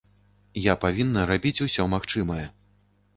Я павінна рабіць усё магчымае.